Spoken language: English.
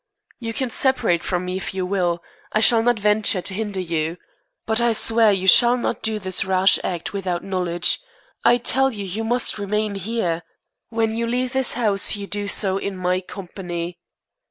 "You can separate from me if you will. I shall not venture to hinder you. But I swear you shall not do this rash act without knowledge. I tell you you must remain here. When you leave this house you do so in my company."